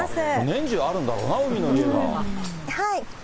年中あるんだろうな、海の家が。